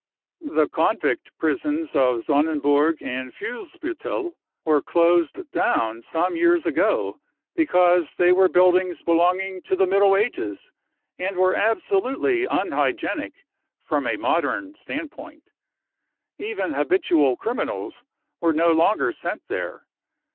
The? convict prisons ot Sonnenburg and Fuhlsbiittel were closed down some years ago because they were buildings belonging to the Middle Ages and were absolutely un hygienic from a modern standpoint. Even habitual criminals were no longer sent there.